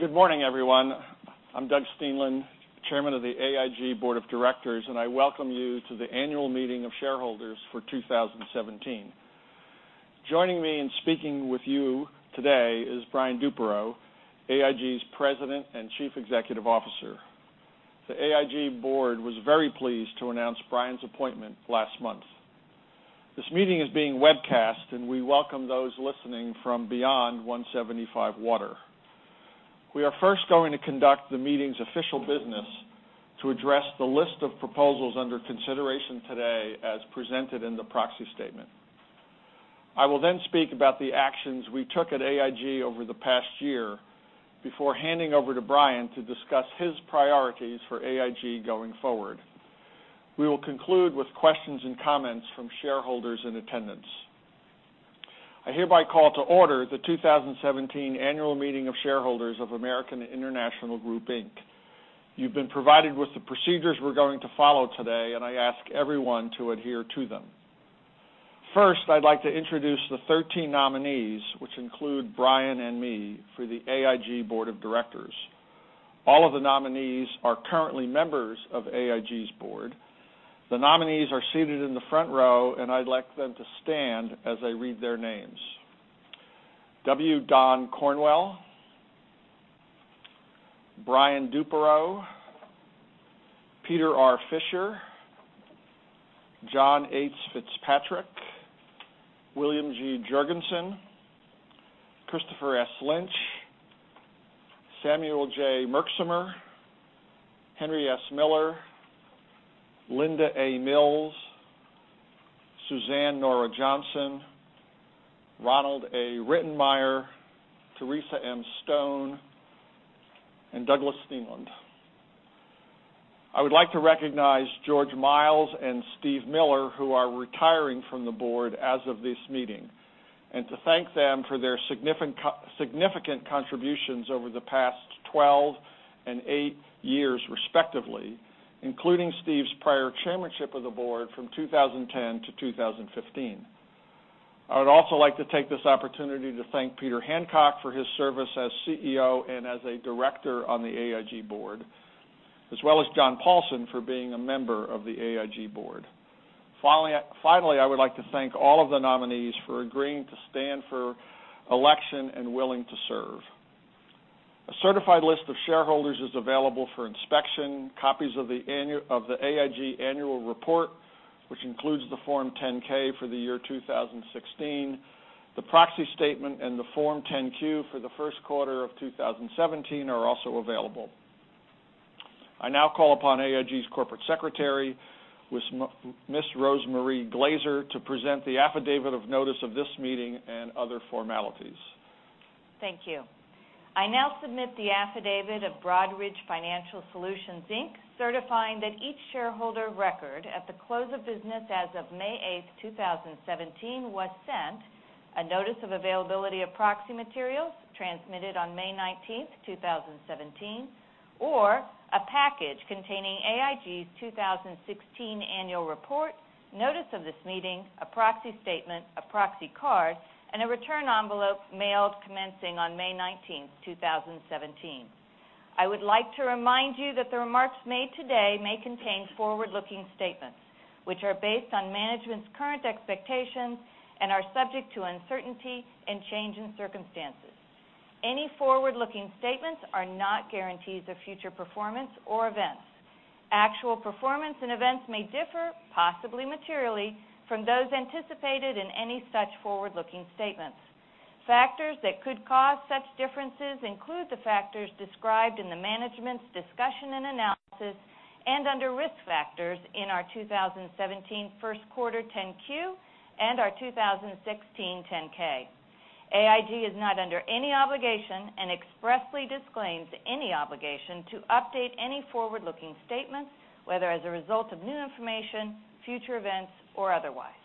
Good morning, everyone. I'm Doug Steenland, Chairman of the AIG Board of Directors, and I welcome you to the annual meeting of shareholders for 2017. Joining me and speaking with you today is Brian Duperreault, AIG's President and Chief Executive Officer. The AIG Board was very pleased to announce Brian's appointment last month. This meeting is being webcast, and we welcome those listening from beyond 175 Water. We are first going to conduct the meeting's official business to address the list of proposals under consideration today as presented in the proxy statement. I will then speak about the actions we took at AIG over the past year before handing over to Brian to discuss his priorities for AIG going forward. We will conclude with questions and comments from shareholders in attendance. I hereby call to order the 2017 annual meeting of shareholders of American International Group, Inc. You've been provided with the procedures we're going to follow today, and I ask everyone to adhere to them. First, I'd like to introduce the 13 nominees, which include Brian and me for the AIG Board of Directors. All of the nominees are currently members of AIG's Board. The nominees are seated in the front row, and I'd like them to stand as I read their names. W. Don Cornwell, Brian Duperreault, Peter R. Fisher, John H. Fitzpatrick, William G. Jurgensen, Christopher S. Lynch, Samuel J. Merksamer, Henry S. Miller, Linda A. Mills, Suzanne Nora Johnson, Ronald A. Rittenmeyer, Theresa M. Stone, and Douglas Steenland. I would like to recognize George Miles and Steve Miller, who are retiring from the Board as of this meeting, and to thank them for their significant contributions over the past 12 and eight years respectively, including Steve's prior chairmanship of the Board from 2010 to 2015. I would also like to take this opportunity to thank Peter Hancock for his service as CEO and as a director on the AIG Board, as well as John Paulson for being a member of the AIG Board. Finally, I would like to thank all of the nominees for agreeing to stand for election and willing to serve. A certified list of shareholders is available for inspection. Copies of the AIG annual report, which includes the Form 10-K for the year 2016, the proxy statement, and the Form 10-Q for the first quarter of 2017 are also available. I now call upon AIG's Corporate Secretary, Ms. Rose Marie Glazer, to present the affidavit of notice of this meeting and other formalities. Thank you. I now submit the affidavit of Broadridge Financial Solutions, Inc., certifying that each shareholder record at the close of business as of May 8th, 2017, was sent a notice of availability of proxy materials transmitted on May 19th, 2017, or a package containing AIG's 2016 annual report, notice of this meeting, a proxy statement, a proxy card, and a return envelope mailed commencing on May 19th, 2017. I would like to remind you that the remarks made today may contain forward-looking statements, which are based on management's current expectations and are subject to uncertainty and change in circumstances. Any forward-looking statements are not guarantees of future performance or events. Actual performance and events may differ, possibly materially, from those anticipated in any such forward-looking statements. Factors that could cause such differences include the factors described in the management's discussion and analysis and under risk factors in our 2017 first quarter 10-Q and our 2016 10-K. AIG is not under any obligation and expressly disclaims any obligation to update any forward-looking statements, whether as a result of new information, future events, or otherwise.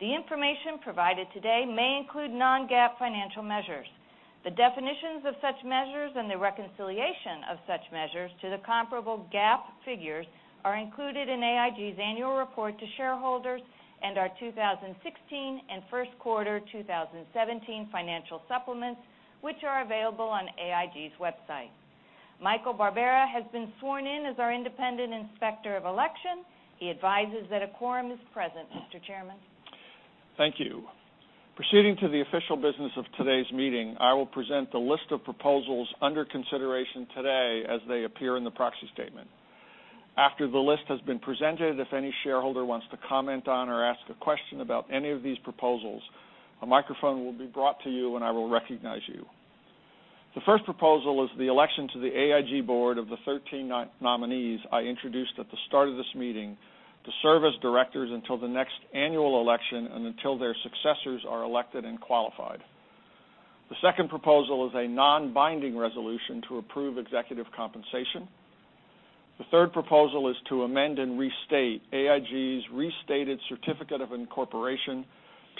The information provided today may include non-GAAP financial measures. The definitions of such measures and the reconciliation of such measures to the comparable GAAP figures are included in AIG's annual report to shareholders and our 2016 and first quarter 2017 financial supplements, which are available on AIG's website. Michael Barbera has been sworn in as our independent inspector of election. He advises that a quorum is present, Mr. Chairman. Thank you. Proceeding to the official business of today's meeting, I will present the list of proposals under consideration today as they appear in the proxy statement. After the list has been presented, if any shareholder wants to comment on or ask a question about any of these proposals, a microphone will be brought to you, and I will recognize you. The first proposal is the election to the AIG Board of the 13 nominees I introduced at the start of this meeting to serve as directors until the next annual election and until their successors are elected and qualified. The second proposal is a non-binding resolution to approve executive compensation. The third proposal is to amend and restate AIG's restated certificate of incorporation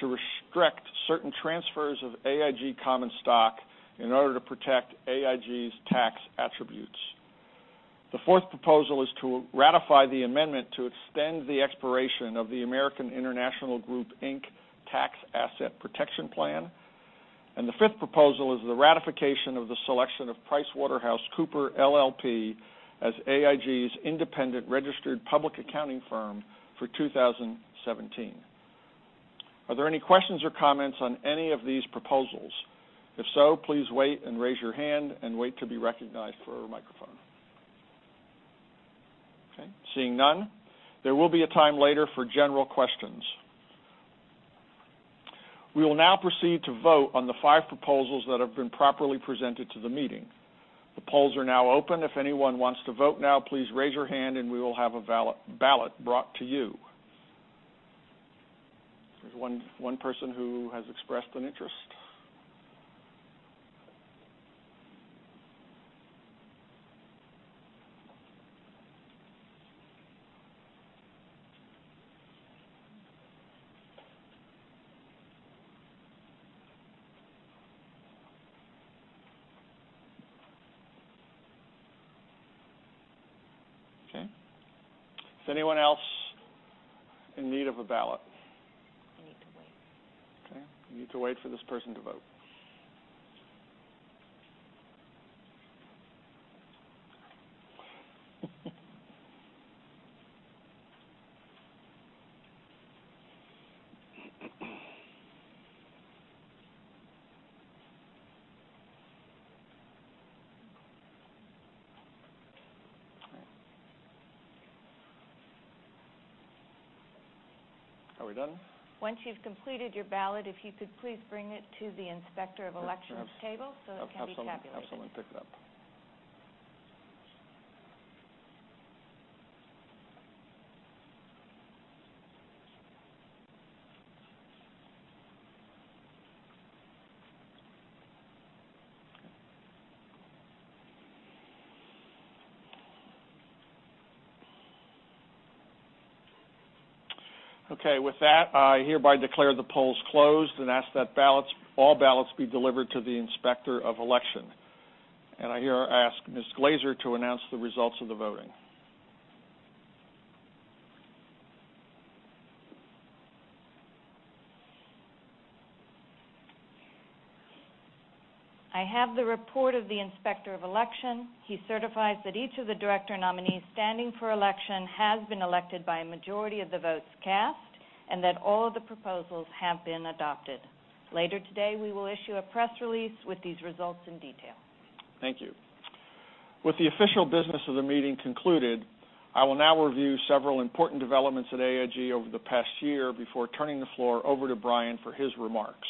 to restrict certain transfers of AIG common stock in order to protect AIG's tax attributes. The fourth proposal is to ratify the amendment to extend the expiration of the American International Group, Inc., Tax Asset Protection Plan. The fifth proposal is the ratification of the selection of PricewaterhouseCoopers LLP as AIG's independent registered public accounting firm for 2017. Are there any questions or comments on any of these proposals? If so, please wait and raise your hand and wait to be recognized for a microphone. Okay, seeing none, there will be a time later for general questions. We will now proceed to vote on the five proposals that have been properly presented to the meeting. The polls are now open. If anyone wants to vote now, please raise your hand, and we will have a ballot brought to you. There's one person who has expressed an interest. Okay. Is anyone else in need of a ballot? You need to wait. Okay. You need to wait for this person to vote. All right. Are we done? Once you've completed your ballot, if you could please bring it to the Inspector of Elections table so it can be tabulated. I'll have someone pick it up. Okay, with that, I hereby declare the polls closed and ask that all ballots be delivered to the Inspector of Election. I here ask Ms. Glazer to announce the results of the voting. I have the report of the Inspector of Election. He certifies that each of the director nominees standing for election has been elected by a majority of the votes cast and that all of the proposals have been adopted. Later today, we will issue a press release with these results in detail. Thank you. With the official business of the meeting concluded, I will now review several important developments at AIG over the past year before turning the floor over to Brian for his remarks.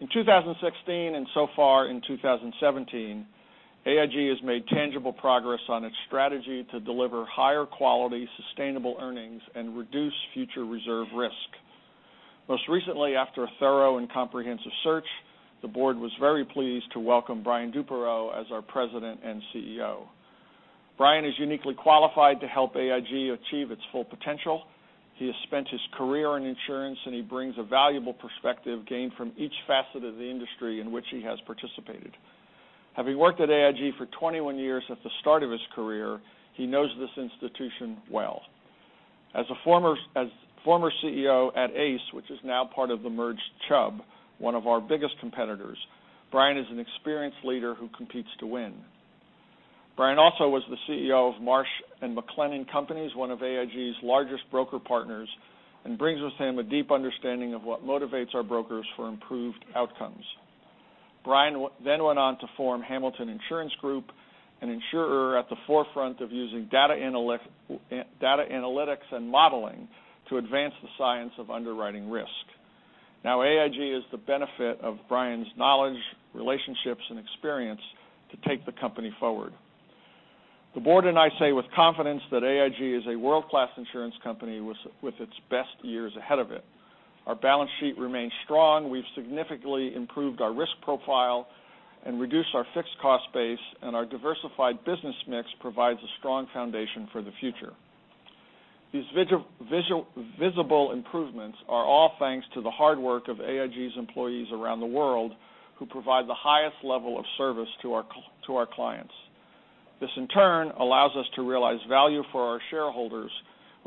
In 2016 so far in 2017, AIG has made tangible progress on its strategy to deliver higher quality, sustainable earnings, and reduce future reserve risk. Most recently, after a thorough and comprehensive search, the board was very pleased to welcome Brian Duperreault as our President and CEO. Brian is uniquely qualified to help AIG achieve its full potential. He has spent his career in insurance. He brings a valuable perspective gained from each facet of the industry in which he has participated. Having worked at AIG for 21 years at the start of his career, he knows this institution well. As former CEO at ACE, which is now part of the merged Chubb, one of our biggest competitors, Brian is an experienced leader who competes to win. Brian also was the CEO of Marsh & McLennan Companies, one of AIG's largest broker partners. He brings with him a deep understanding of what motivates our brokers for improved outcomes. Brian went on to form Hamilton Insurance Group, an insurer at the forefront of using data analytics and modeling to advance the science of underwriting risk. AIG has the benefit of Brian's knowledge, relationships, and experience to take the company forward. The board and I say with confidence that AIG is a world-class insurance company with its best years ahead of it. Our balance sheet remains strong. We've significantly improved our risk profile and reduced our fixed cost base. Our diversified business mix provides a strong foundation for the future. These visible improvements are all thanks to the hard work of AIG's employees around the world who provide the highest level of service to our clients. This, in turn, allows us to realize value for our shareholders,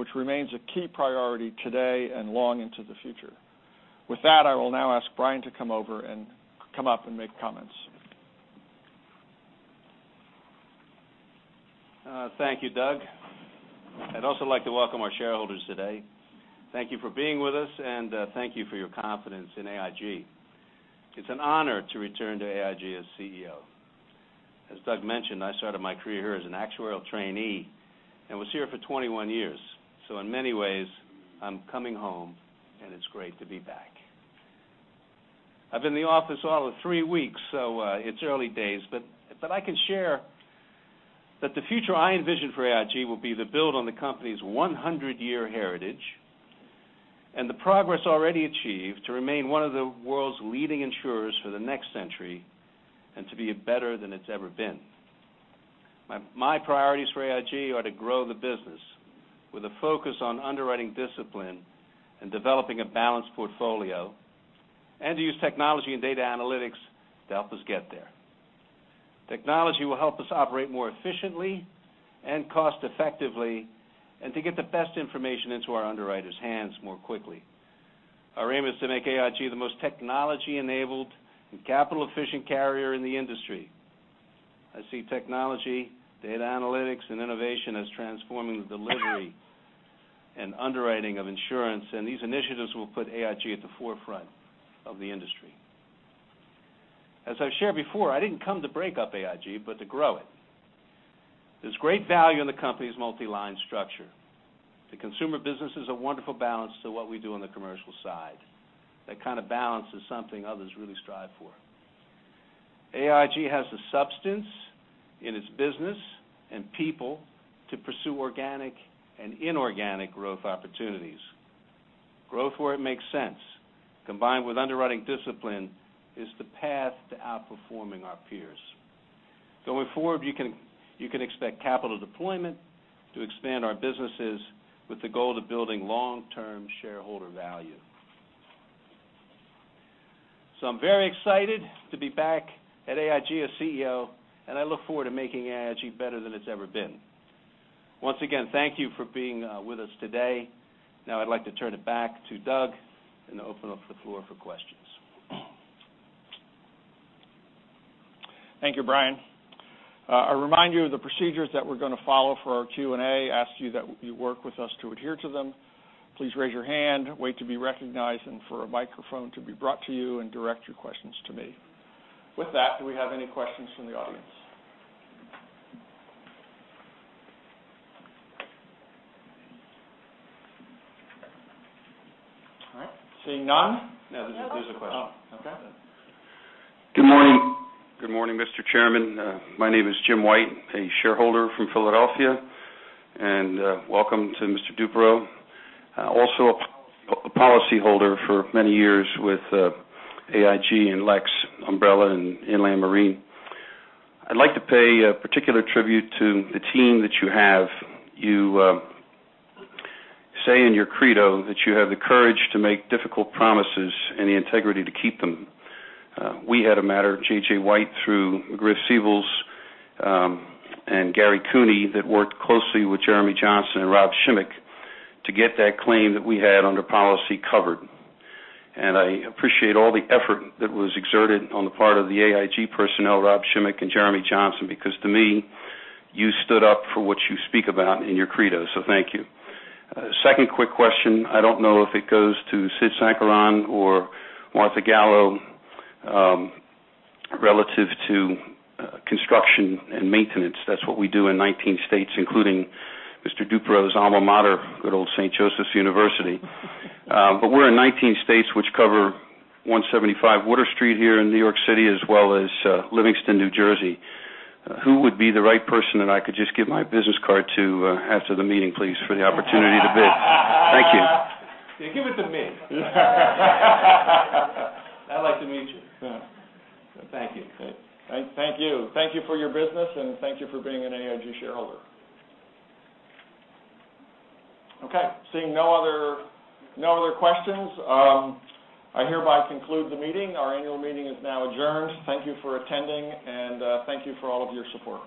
which remains a key priority today and long into the future. With that, I will now ask Brian to come up and make comments. Thank you, Doug. I'd also like to welcome our shareholders today. Thank you for being with us, and thank you for your confidence in AIG. It's an honor to return to AIG as CEO. As Doug mentioned, I started my career here as an actuarial trainee and was here for 21 years. In many ways, I'm coming home, and it's great to be back. I've been in the office all of three weeks, so it's early days, but I can share that the future I envision for AIG will be to build on the company's 100-year heritage and the progress already achieved to remain one of the world's leading insurers for the next century and to be better than it's ever been. My priorities for AIG are to grow the business with a focus on underwriting discipline and developing a balanced portfolio. To use technology and data analytics to help us get there. Technology will help us operate more efficiently and cost effectively, and to get the best information into our underwriters' hands more quickly. Our aim is to make AIG the most technology-enabled and capital-efficient carrier in the industry. I see technology, data analytics, and innovation as transforming the delivery and underwriting of insurance, and these initiatives will put AIG at the forefront of the industry. As I've shared before, I didn't come to break up AIG, but to grow it. There's great value in the company's multi-line structure. The consumer business is a wonderful balance to what we do on the commercial side. That kind of balance is something others really strive for. AIG has the substance in its business and people to pursue organic and inorganic growth opportunities. Growth where it makes sense, combined with underwriting discipline, is the path to outperforming our peers. Going forward, you can expect capital deployment to expand our businesses with the goal to building long-term shareholder value. I'm very excited to be back at AIG as CEO, and I look forward to making AIG better than it's ever been. Once again, thank you for being with us today. Now I'd like to turn it back to Doug and open up the floor for questions. Thank you, Brian. I remind you of the procedures that we're going to follow for our Q&A, ask you that you work with us to adhere to them. Please raise your hand, wait to be recognized and for a microphone to be brought to you and direct your questions to me. With that, do we have any questions from the audience? All right. Seeing none. No, there's a question. Oh, okay. Good morning, Mr. Chairman. My name is Jim White, a shareholder from Philadelphia, and welcome to Mr. Duperreault. Also a policyholder for many years with AIG and Lex Umbrella and Inland Marine. I'd like to pay a particular tribute to the team that you have. You say in your credo that you have the courage to make difficult promises and the integrity to keep them. We had a matter, J.J. White, through Griff Siebels and Gary Cooney that worked closely with Jeremy Johnson and Rob Shimmick to get that claim that we had under policy covered. I appreciate all the effort that was exerted on the part of the AIG personnel, Rob Shimmick and Jeremy Johnson, because to me, you stood up for what you speak about in your credo. Thank you. Second quick question. I don't know if it goes to Sid Sankaran or Martha Gallo, relative to construction and maintenance. That's what we do in 19 states, including Mr. Duperreault's alma mater, good old Saint Joseph's University. We're in 19 states which cover 175 Water Street here in New York City, as well as Livingston, New Jersey. Who would be the right person that I could just give my business card to after the meeting, please, for the opportunity to bid? Thank you. Give it to me. I'd like to meet you. Thank you. Thank you. Thank you for your business, and thank you for being an AIG shareholder. Okay, seeing no other questions, I hereby conclude the meeting. Our annual meeting is now adjourned. Thank you for attending, and thank you for all of your support.